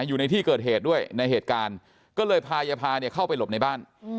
อยู่ในที่เกิดเหตุด้วยในเหตุการณ์ก็เลยพายภาเนี่ยเข้าไปหลบในบ้าน